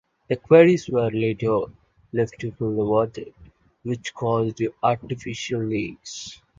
The quarries were later left to fill with water, which caused artificial lakes.